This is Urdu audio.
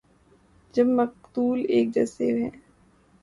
جب مقتول ایک جیسے ہیں۔